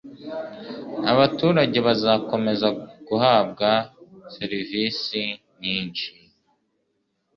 abaturage bazakomeza guhabwa , servisi nyinshi